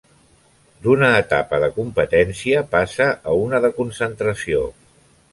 D'una etapa de competència passa a una de concentració.